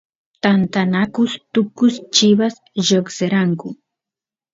tantanakus tukus chivas lloqseranku